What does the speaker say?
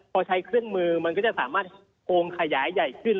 พอใช้เครื่องมือมันก็จะสามารถโกงขยายใหญ่ขึ้น